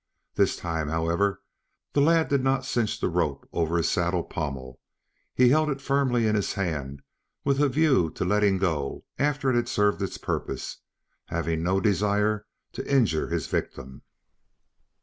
This time, however, the lad did not cinch the rope over his saddle pommel. He held it firmly in his hand, with a view to letting go after it had served its purpose, having no desire to injure his victim.